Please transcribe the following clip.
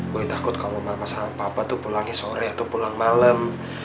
boy takut kalau mama sama papa tuh pulangnya sore atau pulang malam